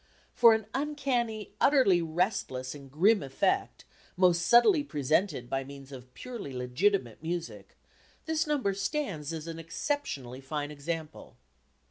For an uncanny, utterly restless and grim effect, most subtly presented by means of purely legitimate music, this number stands as an exceptionally fine example.